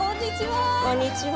こんにちは。